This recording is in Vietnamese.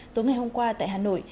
tối ngày hôm qua tại hà nội